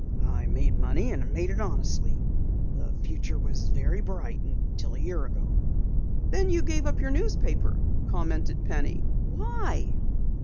I made money and made it honestly. The future was very bright until a year ago." "Then you gave up your newspaper," commented Penny. "Why?"